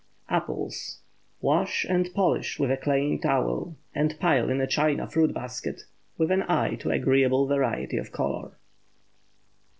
APPLES. Wash and polish with a clean towel, and pile in a china fruit basket, with an eye to agreeable variety of color.